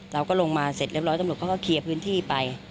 เราก็ลงมาเสร็จเรียบร้อยตำรวจเขาก็เคลียร์พื้นที่ไป